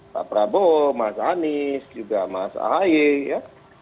pak prabowo mas anies juga mas ahaye ya